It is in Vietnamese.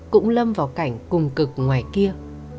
cũng lâm vào cảnh cùng cực ngoài kia